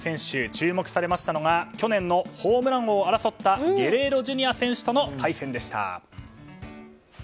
注目されたのが去年のホームラン王を争ったゲレーロＪｒ．選手との対戦でした。